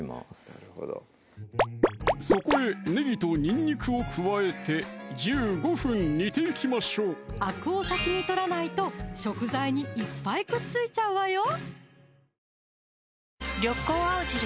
なるほどそこへねぎとにんにくを加えて１５分煮ていきましょうあくを先に取らないと食材にいっぱいくっついちゃうわよ